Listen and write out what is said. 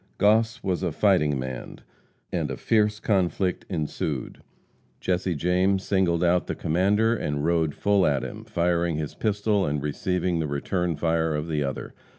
Goss was "a fighting man," and a fierce conflict ensued. Jesse James singled out the commander and rode full at him, firing his pistol and receiving the return fire of the other.